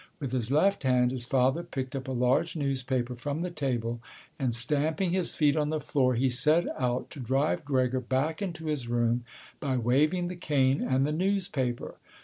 With his left hand, his father picked up a large newspaper from the table and, stamping his feet on the floor, he set out to drive Gregor back into his room by waving the cane and the newspaper.